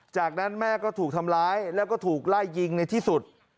จากนั้นแม่ก็ถูกทำร้ายแล้วก็ถูกไล่ยิงในที่สุด